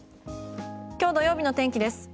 今日、土曜日の天気です。